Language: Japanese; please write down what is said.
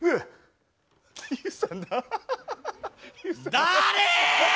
誰！